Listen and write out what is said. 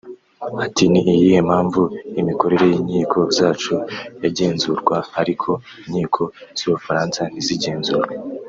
Ati “ Ni iyihe mpamvu imikorere y’inkiko zacu yagenzurwa ariko inkiko z’u Bufaransa ntizigenzurwe